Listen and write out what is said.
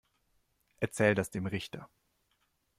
Erzähl das dem Richter.